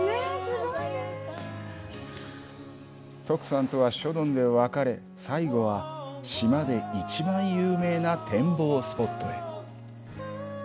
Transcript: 徳さんとは諸鈍で別れ最後は、島で一番有名な展望スポットへ。